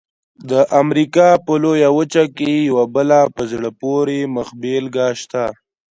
د امریکا په لویه وچه کې یوه بله په زړه پورې مخبېلګه شته.